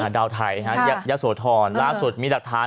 ดาวไทยยักษ์โสธรลักษณ์สุดมีดักฐาน